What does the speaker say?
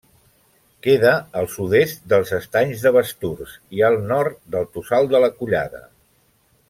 Queda al sud-est dels Estanys de Basturs i al nord del Tossal de la Collada.